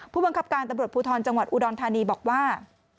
ผู้บังคับการตำรวจภูทรจังหวัดอุดรธานีบอกว่า